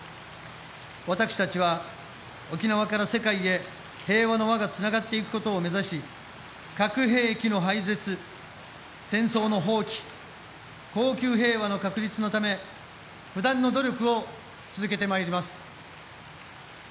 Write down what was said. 私たちは、沖縄から世界へ平和の輪がつながっていくことを目指し核兵器の廃絶、戦争の放棄恒久平和の確立のため不断の努力を続けてまいります。